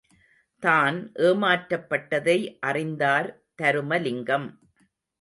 தான் ஏமாற்றப்பட்டதை அறிந்தார் தருமலிங்கம்.